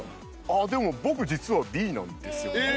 ああでも僕実はＢなんですよね。